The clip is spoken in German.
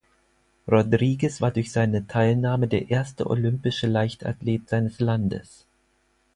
Rodriguez war durch seine Teilnahme der erste olympische Leichtathlet seines Landes.